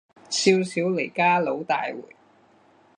少小离家老大回